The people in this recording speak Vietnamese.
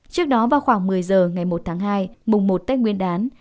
trước đó vào khoảng một mươi giờ ngày một tháng hai mùng một tết nguyên đán